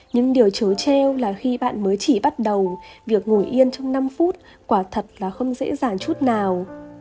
những điều chối treo là khi bạn mới chỉ bắt đầu việc ngồi yên trong năm phút quả thật là không dễ dàng chút nào